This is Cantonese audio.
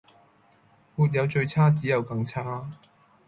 沒有最差只有更差